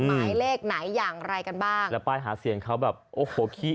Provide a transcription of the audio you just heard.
หมายเลขไหนอย่างไรกันบ้างแล้วป้ายหาเสียงเขาแบบโอ้โหขี้